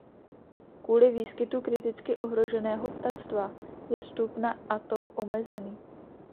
Kvůli výskytu kriticky ohroženého ptactva je vstup na atol omezený.